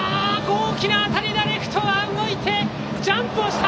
大きな当たりだ、レフトが動いてジャンプをした。